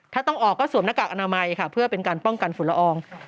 ถ้าต้องออกก็สวมหน้ากากอนามัยค่ะเพื่อเป็นการป้องกันฝุ่นละออง